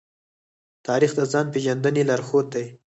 تاریخ د ځان پېژندنې لارښود دی.